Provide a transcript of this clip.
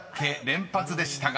連発でしたが］